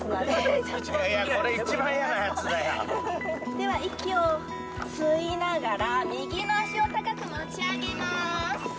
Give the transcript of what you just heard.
では息を吸いながら右の足を高く持ち上げます。